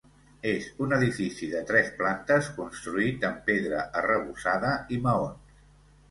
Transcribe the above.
És un edifici de tres plantes construït amb pedra arrebossada i maons.